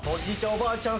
おばあちゃん